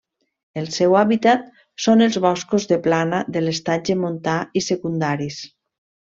El seu hàbitat són els boscos de plana, de l'estatge montà i secundaris.